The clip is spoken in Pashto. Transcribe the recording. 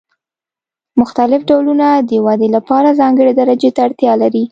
مختلف ډولونه د ودې لپاره ځانګړې درجې ته اړتیا لري.